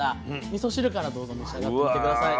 みそ汁からどうぞ召し上がって下さい。